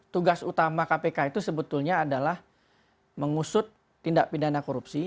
tugas utama kpk itu sebetulnya adalah mengusut tindak pidana korupsi